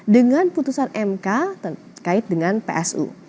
dengan putusan mk terkait dengan psu